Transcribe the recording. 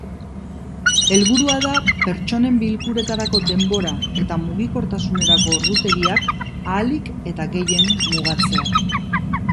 Helburua da pertsonen bilkuretarako denbora eta mugikortasunerako ordutegiak ahalik eta gehien mugatzea.